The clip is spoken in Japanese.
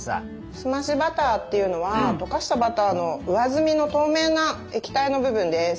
澄ましバターっていうのはとかしたバターの上澄みの透明な液体の部分です。